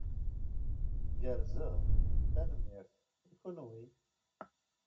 Gerrzeɣ, tanemmirt. I kenwi?